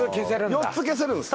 ４つ消せるんです